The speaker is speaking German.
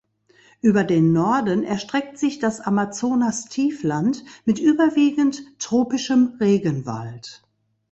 Über den Norden erstreckt sich das Amazonastiefland mit überwiegend tropischem Regenwald.